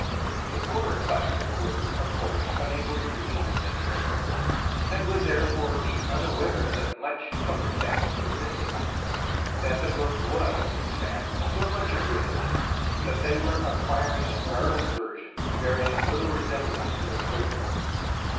The poorer classes were, of course, unable to read the sacred script, and would therefore be unaware that much of the text was missing ; that the Book was, in fact, so much abridged, that they were acquiring a garbled version, bearing little resem blance to the full Book.